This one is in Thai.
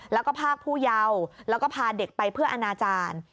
แล้วก็ภาคผู้เยาแล้วก็พาเด็กไปเพื่ออนาจารย์